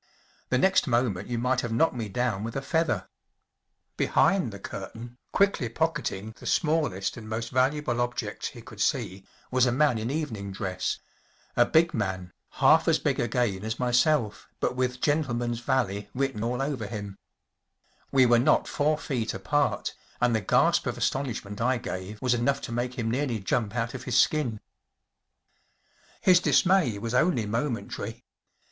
The next moment you might have knocked me down with a feather. Behind the curtain, quickly pocketing the small¬ est and most valuable objects he could see, was a man in evening Original 1 dress‚ÄĒa big man, half UNIVERSITY OF MICHIGAN THE SNOW MAN , ^33 as big again as myself, but with “gentle¬ man’s valet ‚ÄĚ written all over him. We were not four feet apart, and the gasp of astonish¬ ment I gave was enough to make him nearly jump out of his skin. His dismay was only momentary.